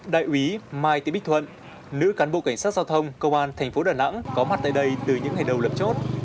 đại úy mai tiến bích thuận nữ cán bộ cảnh sát giao thông công an thành phố đà nẵng có mặt tại đây từ những ngày đầu lập chốt